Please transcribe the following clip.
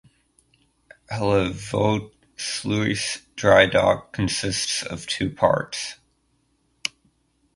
Hellevoetsluis Dry dock consists of two parts.